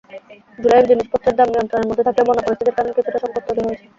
জুলাইয়ে জিনিসপত্রের দাম নিয়ন্ত্রণের মধ্যে থাকলেও বন্যা পরিস্থিতির কারণে কিছুটা সংকট তৈরি হয়েছে।